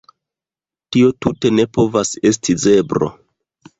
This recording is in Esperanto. Tio tute ne povas esti zebro